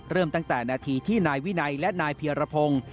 เริ่มตั้งแต่นาทีที่นายวินัยและนายเพียรพงศ์